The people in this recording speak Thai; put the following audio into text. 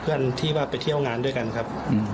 เพื่อนที่ว่าไปเที่ยวงานด้วยกันครับ